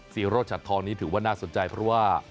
โรชัดทองนี้ถือว่าน่าสนใจเพราะว่า